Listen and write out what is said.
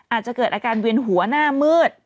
อาจจะเกิดอาการเวียนหัวหน้ามืด